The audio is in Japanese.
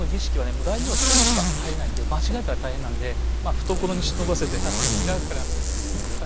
もう大名１人しか入れないんで間違えたら大変なんでまあ懐に忍ばせて多分見ながらいったんでしょうね。